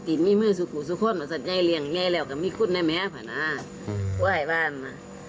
สทธิในวิเมอที่สู่คนที่ในเลีย์กันมีคุณให้ไหมอีกหว่าอย่าบ้าน